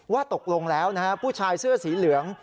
ว่าตกลงแล้วนะฮะผู้ชายเสื้อสีเหลือง